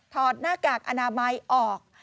หน้ากากอนามัยออก